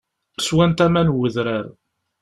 Swant aman n wedrar.